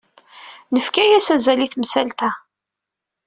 Nefka-as azal i temsalt-a.